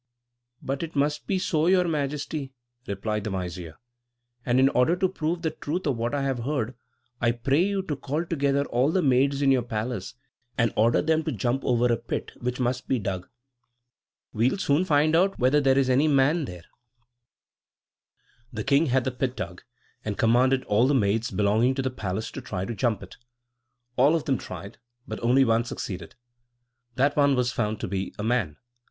"But it must be so, Your Majesty," replied the vizier; "and in order to prove the truth of what I have heard, I pray you to call together all the maids in your palace, and order them to jump over a pit, which must be dug. We'll soon find out whether there is any man there." The king had the pit dug, and commanded all the maids belonging to the palace to try to jump it. All of them tried, but only one succeeded. That one was found to be a man!!